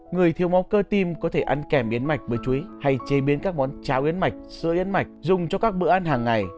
người thiếu máu cơ tim có thể ăn kèm biến mạch bữa chuối hay chế biến các món cháo quyến mạch sữa yến mạch dùng cho các bữa ăn hàng ngày